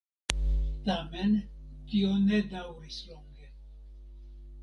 Tamen tio ne daŭris longe.